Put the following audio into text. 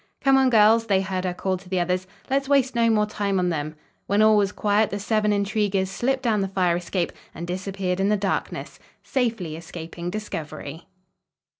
"Come on, girls," they heard her call to the others, "let's waste no more time on them." When all was quiet the seven intriguers slipped down the fire escape and disappeared in the darkness safely escaping discovery.